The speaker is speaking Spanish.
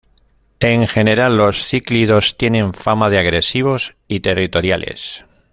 En general, los cíclidos tienen fama de agresivos y territoriales.